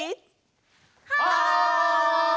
はい！